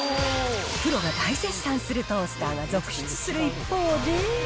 プロが大絶賛するトースターが続出する一方で。